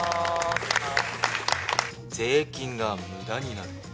税金が無駄になる。